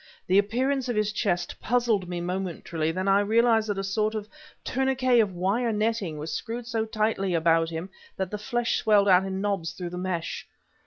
The appearance of his chest puzzled me momentarily, then I realized that a sort of tourniquet of wire netting was screwed so tightly about him that the flesh swelled out in knobs through the mesh.